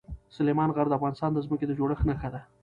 سلیمان غر د افغانستان د ځمکې د جوړښت نښه ده.